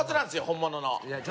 本物の。